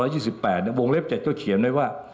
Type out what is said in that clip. เนี่ยวงเล็ก๗ก็เขียนไว้ว่า